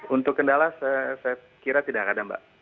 untuk kendala saya kira tidak ada mbak